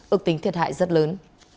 ước tính thiệt hại rất lớn